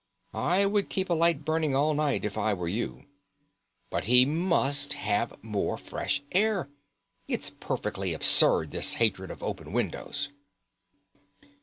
I would keep a light burning all night if I were you. But he must have more fresh air. It's perfectly absurd this hatred of open windows."